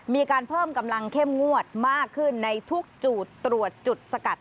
มีการเพิ่มกำลังเข้มงวดมากขึ้นในทุกจุดตรวจจุดสกัด